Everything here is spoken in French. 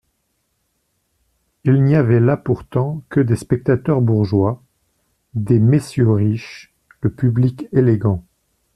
Il n'y avait là pourtant que des spectateurs bourgeois, des messieurs riches, le public élégant.